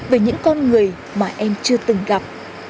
về những con người mà em chưa từng gặp